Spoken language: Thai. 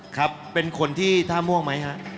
ครับเป็นคนที่ท่าม่วงไหมฮะ